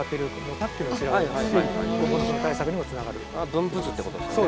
分布図ってことですよね。